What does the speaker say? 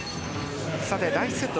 第１セット